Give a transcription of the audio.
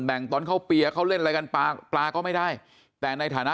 ตอนเขาเปียเขาเล่นอะไรกันปลาปลาก็ไม่ได้แต่ในฐานะ